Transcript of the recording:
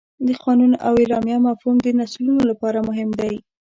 د قانون او اعلامیه مفهوم د نسلونو لپاره مهم دی.